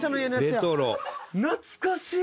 「懐かしい！」